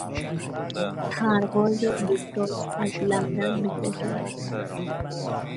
پرواز یک راست از لندن به تهران